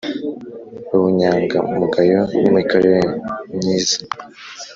Ubunyangamugayo n imikorere nyiza